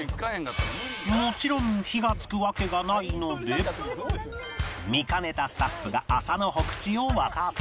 もちろん火が付くわけがないので見兼ねたスタッフが麻の火口を渡す